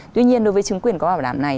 tuy nhiên đối với chứng quyền có bảo đảm này